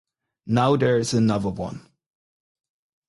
Now there is another one.